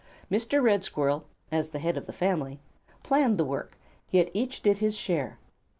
Mr. Red Squirrel, as the head of the family, planned the work, yet each did his share.